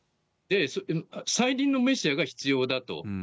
再臨のメシアが必要だと。